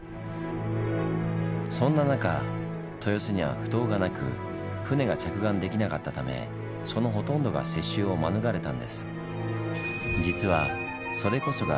そんな中豊洲には埠頭がなく船が着岸できなかったためそのほとんどが接収を免れたんです。